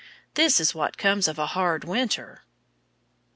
"This is what comes of a hard winter."